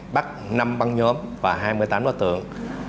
bắt năm băng nhóm và hai mươi tám đối tượng